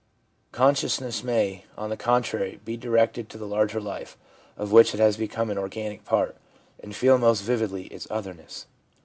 Con sciousness may, on the contrary, be directed to the larger life, of which it has become an organic part, and feel most vividly its otherness.